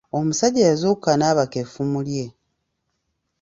Omusajja yazuukuka n’abaka effumu lye.